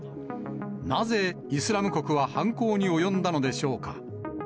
なぜイスラム国は犯行に及んだのでしょうか。